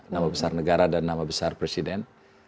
nama besar negara dan nama besar presiden